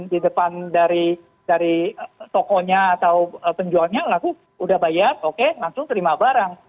di depan dari tokonya atau penjualnya lagu udah bayar oke langsung terima barang